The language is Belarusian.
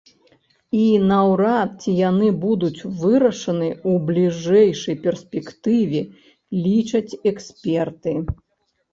І наўрад ці яны будуць вырашаны ў бліжэйшай перспектыве, лічаць эксперты.